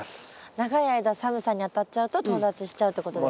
長い間寒さにあたっちゃうととう立ちしちゃうってことですね。